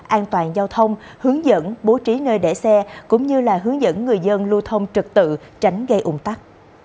an toàn giao thông hướng dẫn bố trí nơi để xe cũng như là hướng dẫn người dân lưu thông trực tự tránh gây ung tắc